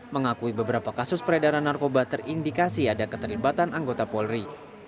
mengakui beberapa kasus peredaran narkoba terindikasi ada keterlibatan anggota polri